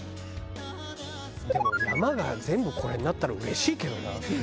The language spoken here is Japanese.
でも山が全部これになったらうれしいけどな。